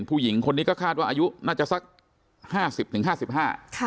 ผู้หญิงคนนี้ก็คาดว่าอายุน่าจะสักห้าสิบถึงห้าสิบห้าค่ะ